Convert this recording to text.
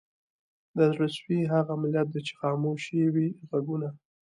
د زړه سوي هغه ملت دی چي خاموش یې وي ږغونه